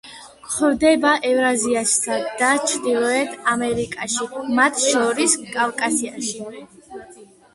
გვხვდება ევრაზიასა და ჩრდილოეთ ამერიკაში, მათ შორის კავკასიაში.